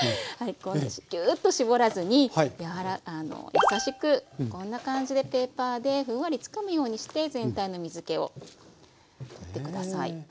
ギューッと絞らずに優しくこんな感じでペーパーでふんわりつかむようにして全体の水けを取って下さい。